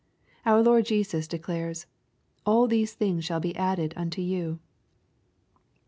Our Lord Jesus declares, ^^ All these things shall be added unto you.''